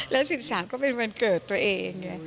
แล้ว๑๓ก็เป็นวันเกิดตัวเอง